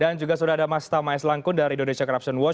dan juga sudah ada mas tama s langkun dari indonesia corruption watch